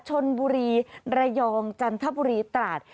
ชนบุรีระยองจันทบุรีตราด